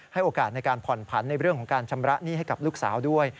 โอกาสในการผ่อนผันในเรื่องของการชำระหนี้ให้กับลูกสาวด้วย